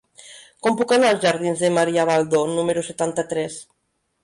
Com puc anar als jardins de Maria Baldó número setanta-tres?